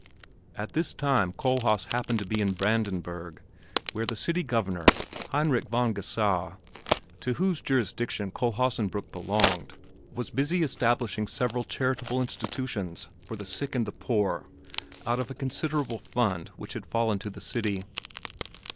At this time Kohlhaas happened to be in Brandenburg, where the City Governor, Heinrich von Geusau, to whose jurisdiction Kohlhaasenbrück belonged, was busy establishing several charitable institutions for the sick and the poor out of a considerable fund which had fallen to the city.